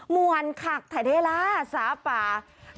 มวนคักทะเดลาสาปา